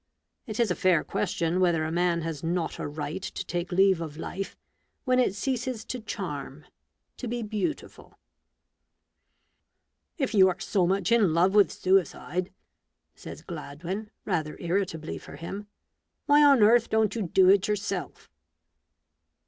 It is a fair question whether a man has not a right to take leave of life when it ceases to charm — to be beautiful." 104 A BOOK OF BARGAINS. " If you are so much in love with suicide," says Gladwin, rather irritably for him, " why on earth don't you do it yourself?"